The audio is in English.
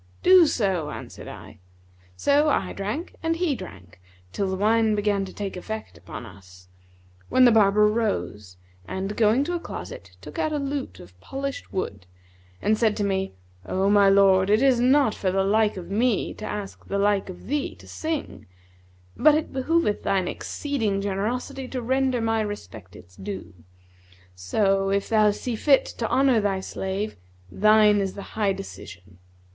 'Do so,' answered I. So I drank and he drank till the wine began to take effect upon us, when the barber rose and, going to a closet, took out a lute of polished wood and said to me, 'O my lord, it is not for the like of me to ask the like of thee to sing, but it behoveth thine exceeding generosity to render my respect its due; so, if thou see fit to honour thy slave, thine is the high decision.'